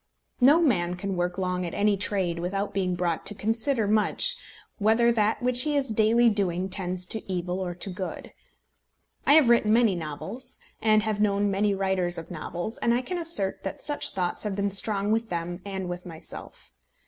No man can work long at any trade without being brought to consider much whether that which he is daily doing tends to evil or to good. I have written many novels, and have known many writers of novels, and I can assert that such thoughts have been strong with them and with myself.